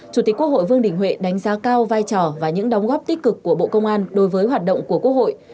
chủ tịch quốc hội vương đình huệ đánh giá cao vai trò và những đóng góp tích cực của bộ công an đối với hoạt động của quốc hội